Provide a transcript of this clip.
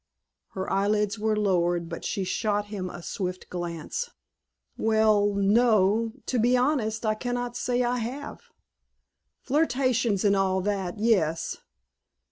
Her eyelids were lowered but she shot him a swift glance. "Well no to be honest, I cannot say I have. Flirtations and all that, yes.